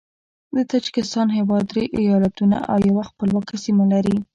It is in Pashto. د تاجکستان هیواد درې ایالتونه او یوه خپلواکه سیمه لري.